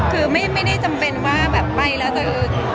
คือไม่ได้จำเป็นว่าแบบไปแล้วจะ